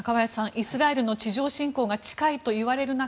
イスラエルの地上侵攻が近いといわれる中